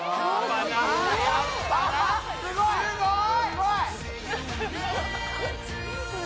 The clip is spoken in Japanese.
すごーい！